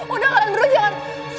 udah kalian berdua jangan